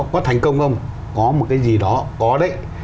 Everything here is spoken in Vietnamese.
có thành công không có một cái gì đó có đấy